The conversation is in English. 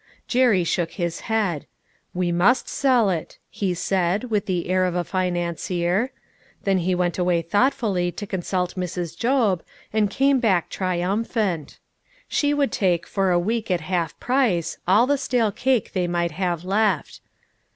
Jerry shook his head. " We must sell it," he said with the air of a financier. Then he went away thoughtfully to consult Mrs. Job, and came back triumphant. She would take for a week at half price, all the stale cake they might have left.